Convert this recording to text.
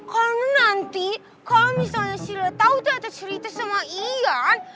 kalo nanti kalo misalnya stila tau tata cerita sama ian